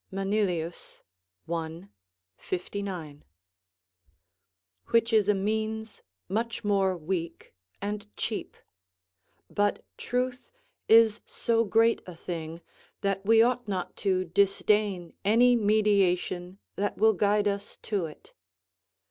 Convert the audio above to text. Manilius, i. 59.] which is a means much more weak and cheap; but truth is so great a thing that we ought not to disdain any mediation that will guide us to it.